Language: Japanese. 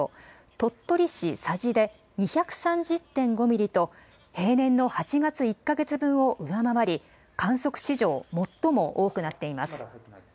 鳥取市佐治で２３０．５ミリと、平年の８月１か月分を上回り、観測史上最も多くなっています。